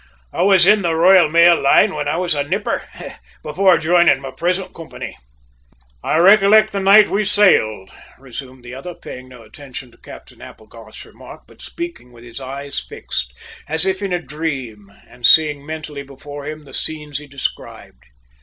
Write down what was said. "I was in the Royal Mail Line when I was a nipper, before joining my present company." "I recollect the night we sailed," resumed the other, paying no attention to Captain Applegarth's remark, but speaking with his eyes fixed, as if in a dream and seeing mentally before him the scenes he described.